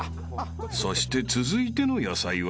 ［そして続いての野菜は］